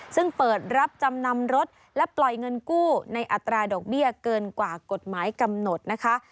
ซึ่งเปิดรับจำนำรถและปล่อยเงินกู้ในอัตราดอกเบี้ยเกินกว่ากฎหมายกำหนดนะคะ